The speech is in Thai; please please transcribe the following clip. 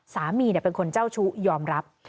สามีเป็นคนเจ้าชู้ยอมรับ